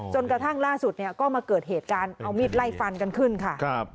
จนกระทั่งล่าสุดเนี่ยก็มาเกิดเหตุการณ์เอามีดไล่ฟันกันขึ้นค่ะ